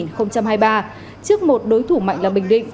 trước một đối thủ mạnh là bình định